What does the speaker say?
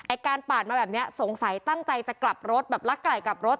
การปาดมาแบบนี้สงสัยตั้งใจจะกลับรถแบบลักไกลกลับรถ